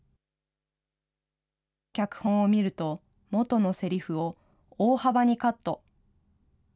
脚本を見ると、元のせりふを大幅にカット。